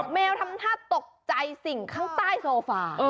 แมวทำท่าตกใจสิ่งข้างใต้โซฟา